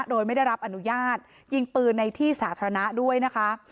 โดยไม่ได้รับอนุญาตยิงปืนในที่สาธารณะด้วยนะคะ